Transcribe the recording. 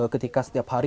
ketika setiap hari